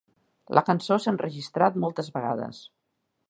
La cançó s'ha enregistrat moltes vegades.